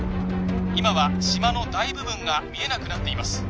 今は島の大部分が見えなくなっています